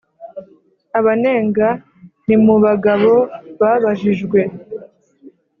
abanenga ni Mu bagabo babajijwe.